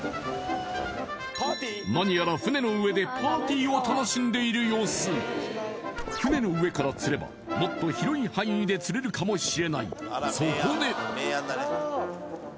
何やらを楽しんでいる様子船の上から釣ればもっと広い範囲で釣れるかもしれないそこでハロー！